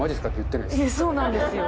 そうなんですよ。